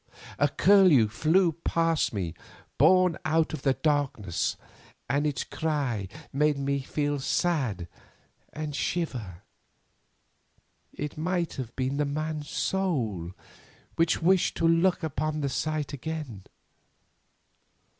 A curlew flew past me, borne out of the darkness, and its cry made me feel sad and shiver. It might have been the man's soul which wished to look upon the light again.